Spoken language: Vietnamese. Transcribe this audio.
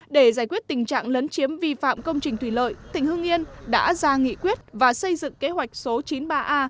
để giải quyết tình trạng lấn chiếm vi phạm công trình thủy lợi tỉnh hương yên đã ra nghị quyết và xây dựng kế hoạch số chín mươi ba a